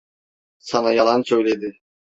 Sana yalan söyledi.